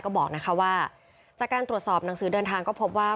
ก็บอกนะคะว่าจากการตรวจสอบหนังสือเดินทางก็พบว่า